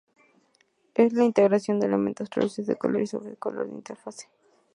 Es la integración de elementos translúcidos, de color y de luz sobre la interfaz.